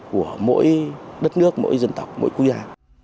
của mỗi đất nước mỗi dân tộc mỗi quốc gia